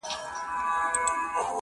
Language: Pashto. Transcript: • بيا دادی پخلا سوه ؛چي ستا سومه؛